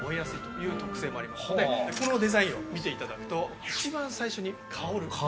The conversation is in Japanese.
このデザインを見ていただくと一番最初に「香る」。